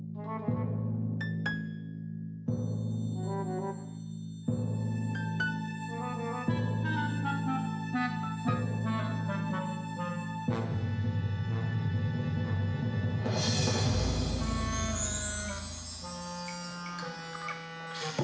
dari terakhir pilihan vivi